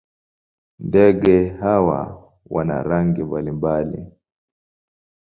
Ndege hawa wana rangi mbalimbali.